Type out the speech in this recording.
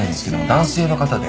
男性の方で。